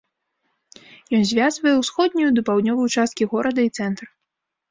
Ён звязвае ўсходнюю ды паўднёвую часткі горада і цэнтр.